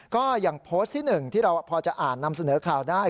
ก็อย่างโพสต์ที่๑ที่เราพอจะอ่านนำเสนอข่าวได้